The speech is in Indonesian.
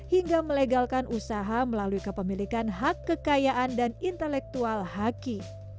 hingga melegalkan usaha melalui kepemilikan hak kekayaan dan intelektual haki